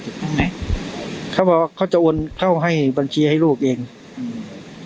นั่นแหละเขาบอกว่าเขาจะโอนเข้าให้บัญชีให้ลูกเองอืม